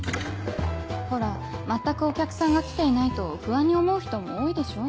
ほら全くお客さんが来ていないと不安に思う人も多いでしょう？